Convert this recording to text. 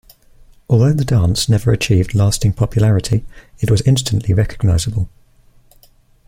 Although the dance never achieved lasting popularity, it was instantly recognizable.